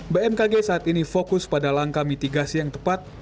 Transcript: bmkg saat ini fokus pada langkah mitigasi yang tepat